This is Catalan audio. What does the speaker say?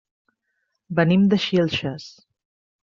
Venim de Xilxes.